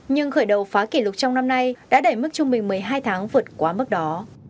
nhưng khởi đầu phá kỷ lục trong năm nay đã đẩy mức trung bình một mươi hai tháng vượt quá mức đó